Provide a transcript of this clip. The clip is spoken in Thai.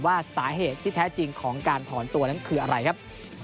ว่าสาเหตุที่แท้จริงของการถอนตัวนั้นคืออะไรครับ